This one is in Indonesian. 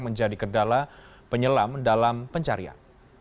menjadi kendala penyelam dalam pencarian